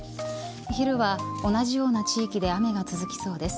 昼は同じような地域で雨が続きそうです。